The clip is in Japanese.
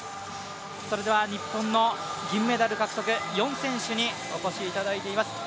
それでは日本の銀メダル獲得、４選手にお越しいただいています。